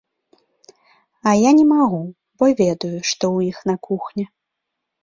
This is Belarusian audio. А я не магу бо ведаю, што ў іх на кухні.